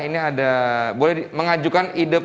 ini ada boleh mengajukan ide